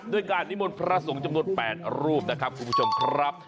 ด้วยการนิมนต์พระสงฆ์จำนวน๘รูปนะครับคุณผู้ชมครับ